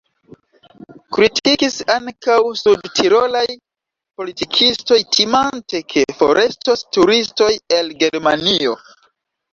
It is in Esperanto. Kritikis ankaŭ sudtirolaj politikistoj, timante, ke forestos turistoj el Germanio.